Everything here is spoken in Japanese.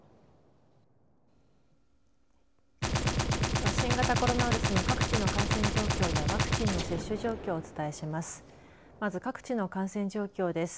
では新型コロナウイルスの各地の感染状況やワクチンの接種状況をお伝えします。